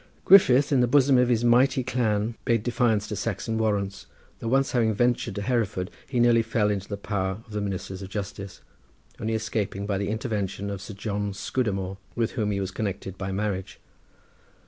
Griffith in the bosom of his mighty clan bade defiance to Saxon warrants, though once having ventured to Hereford he nearly fell into the power of the ministers of justice, only escaping by the intervention of Sir John Scudamore, with whom he was connected by marriage.